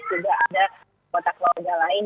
sudah ada kotak keluarga lain